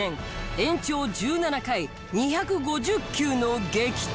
延長１７回２５０球の激闘。